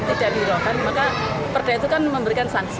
maka perda itu kan memberikan sanksi